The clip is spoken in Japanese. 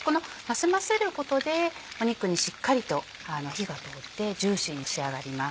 休ませることで肉にしっかりと火が通ってジューシーに仕上がります。